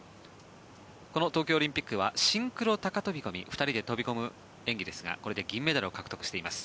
この東京オリンピックはシンクロ高飛込２人で飛び込む演技ですがこれで銀メダルを獲得しています。